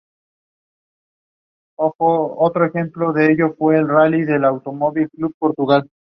Actualmente, el muñeco se encuentra en el Museo East Martello en Key West, Florida.